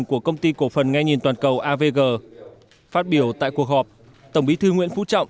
của công ty cổ phần nghe nhìn toàn cầu avg phát biểu tại cuộc họp tổng bí thư nguyễn phú trọng